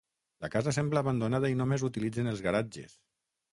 La casa sembla abandonada i només utilitzen els garatges.